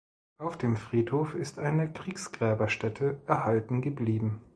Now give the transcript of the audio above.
Auf dem Friedhof ist eine Kriegsgräberstätte erhalten geblieben.